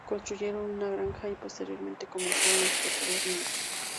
Construyeron una granja y posteriormente comenzaron a explotar las minas.